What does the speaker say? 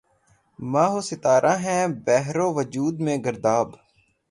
مہ و ستارہ ہیں بحر وجود میں گرداب